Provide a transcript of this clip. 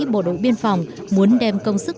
bộ đội biên phòng muốn đem công sức